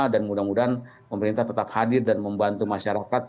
dan mudah mudahan pemerintah tetap hadir dan membantu masyarakat